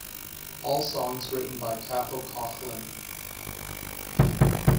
All songs written by Cathal Coughlan.